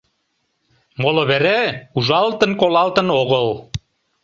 Моло вере ужалтын-колалтын огыл.